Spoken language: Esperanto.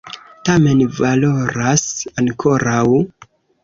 Tamen valoras ankoraŭ!